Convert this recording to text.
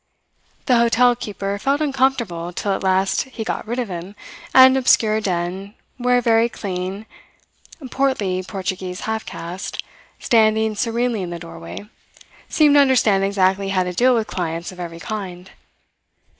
The hotel keeper felt uncomfortable till at last he got rid of him at an obscure den where a very clean, portly Portuguese half caste, standing serenely in the doorway, seemed to understand exactly how to deal with clients of every kind.